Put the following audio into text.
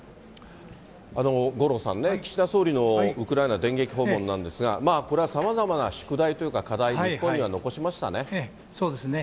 五郎さんね、岸田総理のウクライナ電撃訪問なんですが、これはさまざまな宿題というか、そうですね。